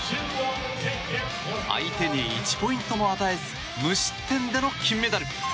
相手に１ポイントも与えず無失点での金メダル。